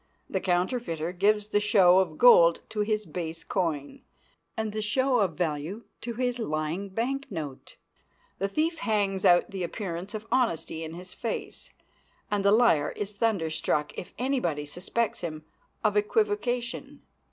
The counterfeiter gives the show of gold to his base coin, and the show of value to his lying bank note. The thief hangs out the appearance of honesty in his face, and the liar is thunderstruck if any body suspects him of equivocation.